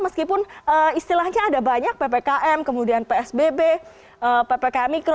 meskipun istilahnya ada banyak ppkm kemudian psbb ppkm mikro